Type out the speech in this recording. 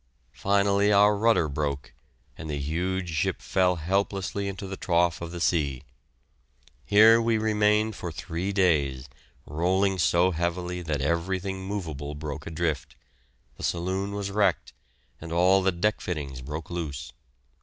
Finally our rudder broke, and the huge ship fell helplessly into the trough of the sea. Here we remained for three days, rolling so heavily that everything moveable broke adrift, the saloon was wrecked, and all the deck fittings broke loose.